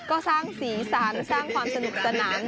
ก็สร้างสีสันสร้างความสนุกสนาน